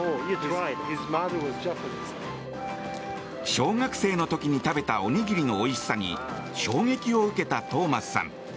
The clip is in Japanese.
小学生の時に食べたおにぎりのおいしさに衝撃を受けたトーマスさん。